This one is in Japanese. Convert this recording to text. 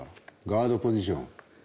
ガードポジション。